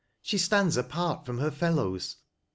She stands apart from her fellows.